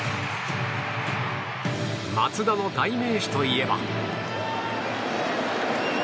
松田の代名詞といえば。